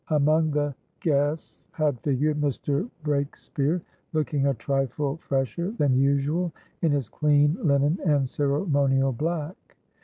Among the guests had figured Mr. Breakspeare, looking a trifle fresher than usual in his clean linen and ceremonial black.